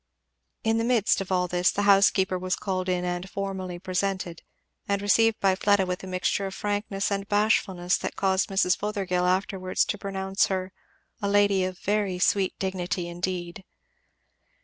In the midst of all this the housekeeper was called in and formally presented, and received by Fleda with a mixture of frankness and bashfulness that caused Mrs. Fothergill afterwards to pronounce her "a lady of a very sweet dignity indeed."